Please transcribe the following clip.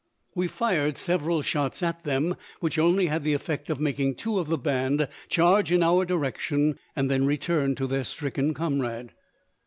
We fired several shots at them, which only had the effect of making two of the band charge in our direction and then return to their stricken comrade.